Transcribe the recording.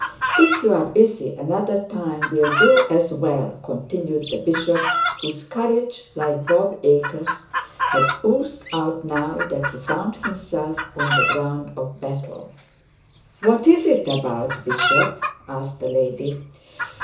'If you are busy, another time will do as well,' continued the bishop, whose courage like Bob Acres' had oozed out, now that he found himself on the ground of battle. 'What is it about, bishop?' asked the lady.